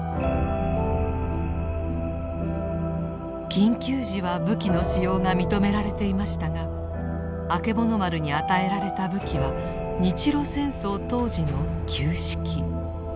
緊急時は武器の使用が認められていましたがあけぼの丸に与えられた武器は日露戦争当時の旧式。